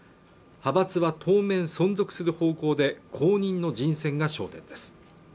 派閥は当面存続する方向で後任の人選が焦点です